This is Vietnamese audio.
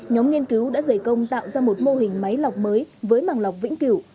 nhóm nghiên cứu đã dày công tạo ra một mô hình máy lọc mới với màng lọc vĩnh cửu